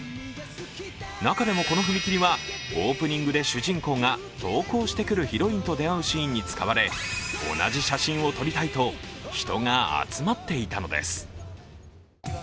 中でもこの踏切はオープニングで主人公が登校してくるヒロインに出会うシーンで同じ写真を撮りたいと人が集まっていたのです。